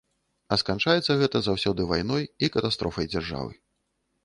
А сканчаецца гэта заўсёды вайной і катастрофай дзяржавы.